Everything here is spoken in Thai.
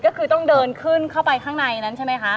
ก็คือต้องเดินขึ้นเข้าไปข้างในนั้นใช่ไหมคะ